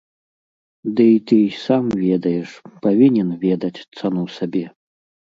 Дый ты і сам ведаеш, павінен ведаць цану сабе.